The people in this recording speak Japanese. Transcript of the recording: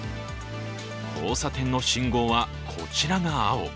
交差点の信号はこちらが青。